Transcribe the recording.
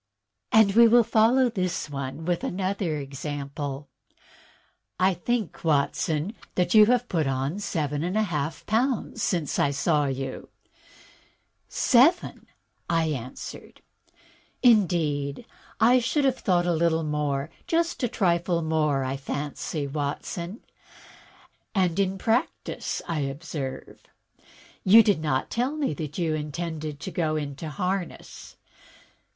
" And we will follow this with a similar example: "I think, Watson, that you have put on seven and a half pounds since I saw you." 44 THE RATIONALE OF RATIOCINATION II 7 " Seven !" I answered. "Indeed, I should have thought a little more. Just a trifle more, I fancy, Watson. And in practice again, I observe. You did not tell me that you intended to go into harness.